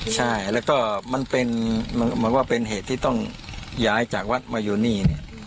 ใช่แล้วก็มันเป็นเหตุที่ต้องใช้จากวัดมาอยู่นี่